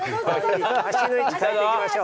足の位置かえていきましょう。